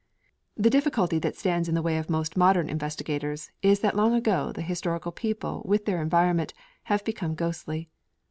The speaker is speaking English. The difficulty that stands in the way of most modern investigators is that long ago the historical people with their environment 'have become ghostly.'